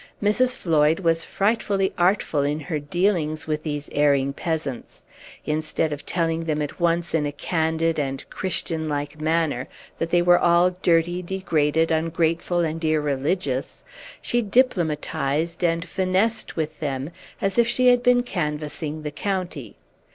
Mrs. Floyd was frightfully artful in her dealings with these erring peasants. Instead of telling them at once in a candid and Christian like manner that they were all dirty, degraded, ungrateful, and irreligious, she diplomatized and finessed with them as if she had been canvassing the county.